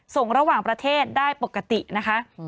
ส่งระหว่างประเทศได้ปกตินะคะ